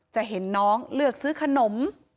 จะเห็นน้องเลือกซื้อขนม